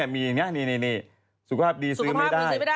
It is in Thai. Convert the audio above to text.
มีอย่างนี้นี่สุขภาพดีซื้อไม่ได้